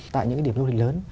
tại những cái điểm du lịch lớn